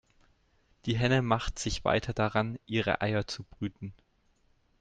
Die Henne machte sich weiter daran, ihre Eier zu brüten.